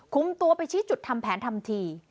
คุมตัวไปชี้จุดทำแผนทำที